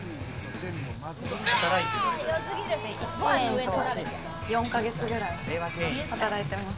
１年と４ヶ月ぐらい働いてます。